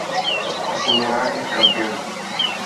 Ascenderá el campeón.